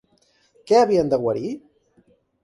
Què havien de guarir?